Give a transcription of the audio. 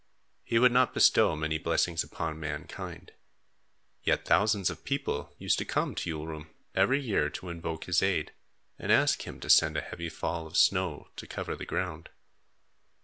He would not bestow many blessings upon mankind; yet thousands of people used to come to Ulrum every year to invoke his aid and ask him to send a heavy fall of snow to cover the ground.